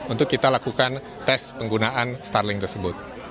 untuk kita lakukan tes penggunaan starling tersebut